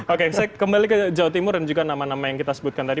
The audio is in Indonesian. oke saya kembali ke jawa timur dan juga nama nama yang kita sebutkan tadi